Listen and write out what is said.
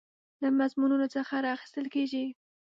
له مضمونونو څخه راخیستل کیږي.